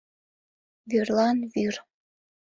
Вӱрлан — вӱр...